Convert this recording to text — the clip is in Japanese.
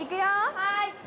はい！